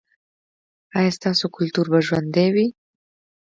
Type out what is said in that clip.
ایا ستاسو کلتور به ژوندی وي؟